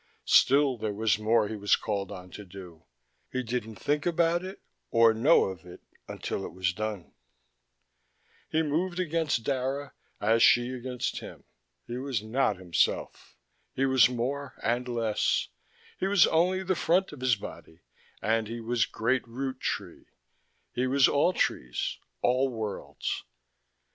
Still there was more he was called on to do: he did not think about it, or know of it until it was done. He moved against Dara, as she against him: he was not himself. He was more and less, he was only the front of his body and he was Great Root Tree, he was all trees, all worlds....